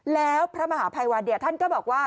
แล้วพระมหาภัยวันท่านก็บอกว่า